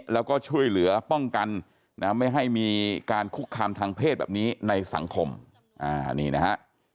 แล้วก็ช่วยเหลือป้องกันนะไม่ให้มีการคุกคามทางเพศแบบนี้ในสังคมนี่นะฮะ